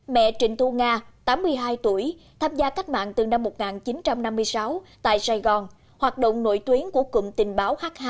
mẹ trịnh thu nga tám mươi hai tuổi tham gia cách mạng từ năm một nghìn chín trăm năm mươi sáu tại sài gòn hoạt động nội tuyến của cụm tình báo h hai